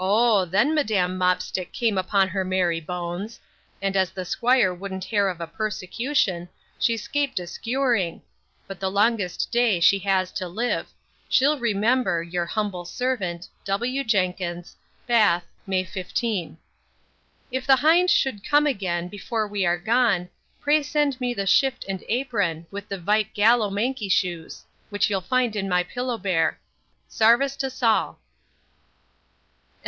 then madam Mopstick came upon her merry bones; and as the squire wouldn't hare of a pursecution, she scaped a skewering: but the longest day she has to live, she'll remember your Humble sarvant, W. JENKINS BATH, May 15. If the hind should come again, before we be gone, pray send me the shift and apron, with the vite gallow manky shoes; which you'll find in my pillowber Sarvice to Saul To Sir WATKIN PHILLIPS, Bart.